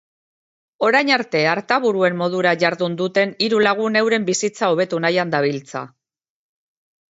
Orain arte artaburuen modura jardun duten hiru lagun euren bizitza hobetu nahian dabiltza.